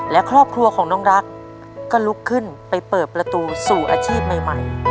และครอบครัวของน้องรักก็ลุกขึ้นไปเปิดประตูสู่อาชีพใหม่